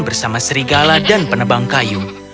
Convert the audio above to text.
bersama serigala dan penebang kayu